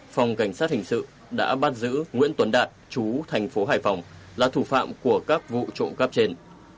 phòng cảnh sát hình sự đã bắt giữ nguyễn tuấn đạt chú thành phố hải phòng là thủ phạm của các vụ trộm cắp trên